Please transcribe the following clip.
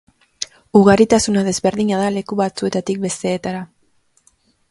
Ugaritasuna desberdina da leku batzuetatik besteetara.